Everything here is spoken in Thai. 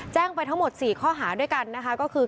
ไปทั้งหมด๔ข้อหาด้วยกันนะคะก็คือ